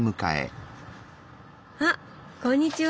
あこんにちは！